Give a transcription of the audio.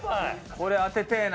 これ当ててえな。